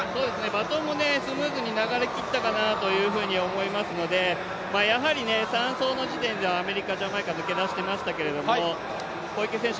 バトンもスムーズに流れきったかなと思いますのでやはり３走の時点でアメリカ、ジャマイカ抜け出していましたけれども小池選手